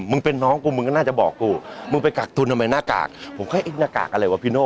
มันเป็นน้องกูมึงก็น่าจะบอกกูมึงไปกักทุนทำไมหน้ากากผมแค่เอ๊ะหน้ากากอะไรวะพี่โน่